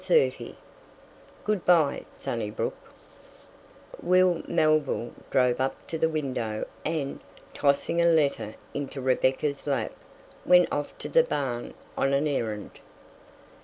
XXX GOOD BY, SUNNYBROOK Will Melville drove up to the window and, tossing a letter into Rebecca's lap, went off to the barn on an errand.